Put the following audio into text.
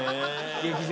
劇場。